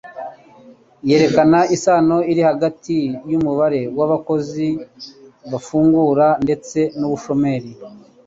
yerekana isano iri hagati y'umubare w'abakozi bafungura ndetse n'ubushomeri